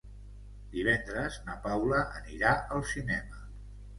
Divendres na Paula anirà al cinema.